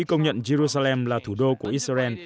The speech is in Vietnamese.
công nhận jerusalem là thủ đô của israel